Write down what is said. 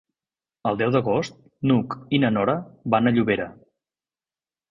El deu d'agost n'Hug i na Nora van a Llobera.